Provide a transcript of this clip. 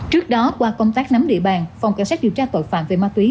trước đó qua công tác nắm địa bàn phòng cảnh sát điều tra tội phạm về ma túy